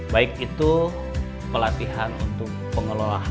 baik itu pelatihan untuk pengelolaan